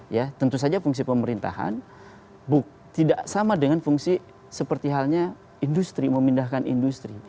ya tentu saja fungsi pemerintahan tidak sama dengan fungsi seperti halnya industri memindahkan industri